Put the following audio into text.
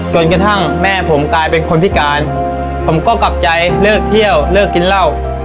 จนกระทั่งแม่ผมกลายเป็นคนพิการผมก็กลับใจเลิกเที่ยวเลิกกินเหล้า